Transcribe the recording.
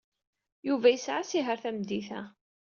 Yuba yesɛa asihaṛ tameddit-a.